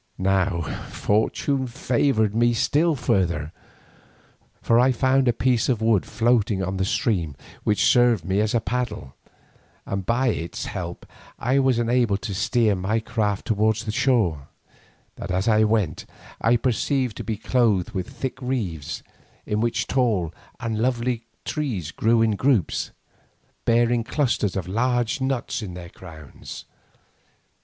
Now fortune favoured me still further, for I found a piece of wood floating on the stream which served me for a paddle, and by its help I was enabled to steer my craft towards the shore, that as I went I perceived to be clothed with thick reeds, in which tall and lovely trees grew in groups, bearing clusters of large nuts in their crowns.